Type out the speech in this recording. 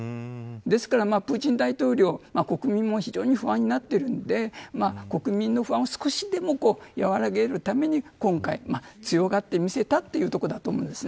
ですから、プーチン大統領国民も非常に不安になっているので国民の不安を少しでも和らげるために今回、強がって見せたというところだと思うんです。